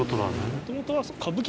もともと。